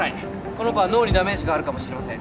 この子は脳にダメージがあるかもしれません。